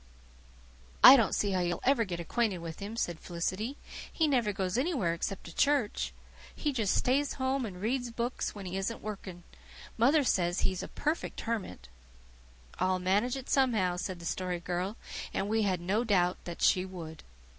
"I don't see how you'll ever get acquainted with him," said Felicity. "He never goes anywhere except to church. He just stays home and reads books when he isn't working. Mother says he is a perfect hermit." "I'll manage it somehow," said the Story Girl and we had no doubt that she would.